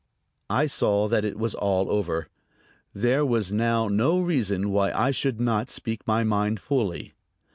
I saw that it was all over. There was now no reason why I should not speak my mind fully.